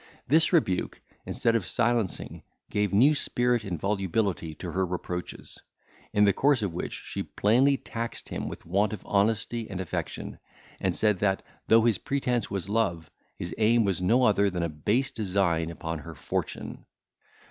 This rebuke, instead of silencing, gave new spirit and volubility to her reproaches, in the course of which she plainly taxed him with want of honesty and affection, and said that, though his pretence was love, his aim was no other than a base design upon her fortune.